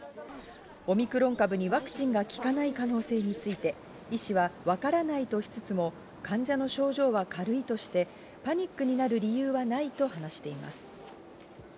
オミクロン株にワクチンが効かない可能性について医師はわからないとしつつも、患者の症状は軽いとしてパニックになる理由はないと話しています。